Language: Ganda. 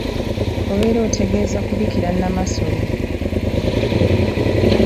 Obeera otegeeza kubikira Nnamasole.